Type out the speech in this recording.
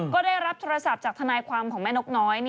ก็ได้รับโทรศัพท์จากทนายความของแม่นกน้อย